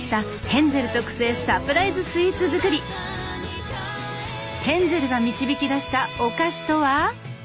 ヘンゼルが導き出したお菓子とは？